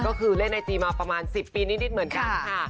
ก็คือเล่นไอจีมาประมาณ๑๐ปีนิดเหมือนกันค่ะ